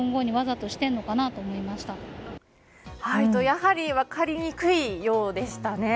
やはり分かりにくいようでしたね。